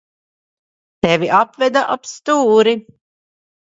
Tevi apveda ap stūri.